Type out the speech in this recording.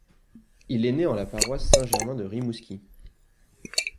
Il est né le en la paroisse Saint-Germain de Rimouski.